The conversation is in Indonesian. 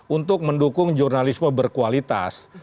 untuk mendukung jurnalisme berkualitas